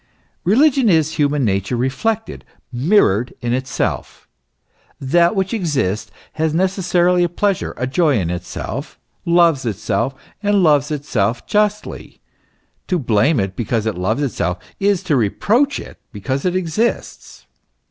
Religion is human nature reflected, mirrored in itself. That which exists has necessarily a pleasure, a joy in itself, loves itself, and loves itself justly ; to blame it because it loves itself is to reproach it because it exists.